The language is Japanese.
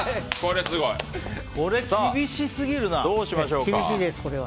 これ厳しすぎるな。